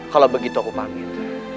kalau begitu aku pamit